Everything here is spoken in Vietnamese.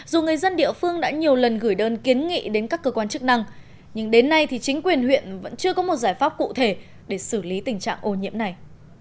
dù người dân địa phương đã nhiều lần gửi đơn kiến nghị đến các cơ quan chức năng nhưng đến nay thì chính quyền huyện vẫn chưa có một giải pháp cụ thể để xử lý tình trạng ô nhiễm này